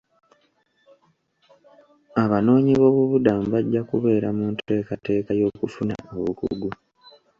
Abanoonyi boobubudamu bajja kubeera mu nteekateeka y'okufuna obukugu.